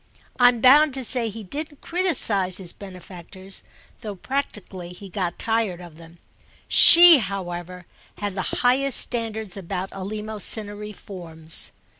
I'm bound to say he didn't criticise his benefactors, though practically he got tired of them; she, however, had the highest standards about eleemosynary forms.